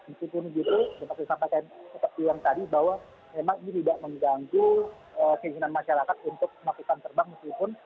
meskipun begitu seperti disampaikan seperti yang tadi bahwa memang ini tidak mengganggu keinginan masyarakat untuk melakukan terbang meskipun